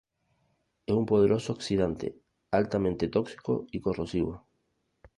Es un poderoso oxidante, altamente tóxico y corrosivo.